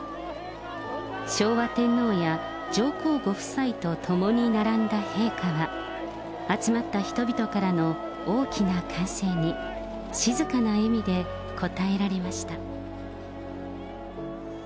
昭和天皇や上皇ご夫妻と共に並んだ陛下は、集まった人々からの大きな歓声に、静かな笑みで応えられました。